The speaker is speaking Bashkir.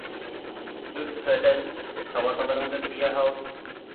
Өф-Фәләс, сабаталарыңды кейә һал.